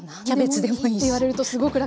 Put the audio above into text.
何でもいいって言われるとすごく楽に。